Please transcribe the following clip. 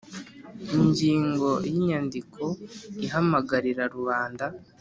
Ingingo ya Inyandiko ihamagarira rubanda